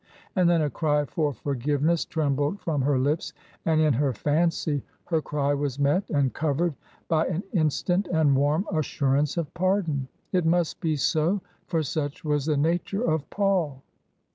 And then a cry for forgiveness trembled from her lips ; and in her fancy her cry was met and covered by an instant and warm assurance of pardon. It must be so, for such was the nature of Paul.